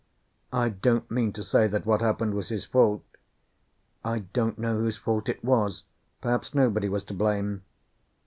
I don't mean to say that what happened was his fault. I don't know whose fault it was. Perhaps nobody was to blame.